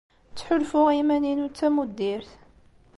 Ttḥulfuɣ i yiman-inu d tamuddirt.